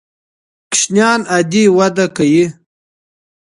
ماشومان عادي وده کوي.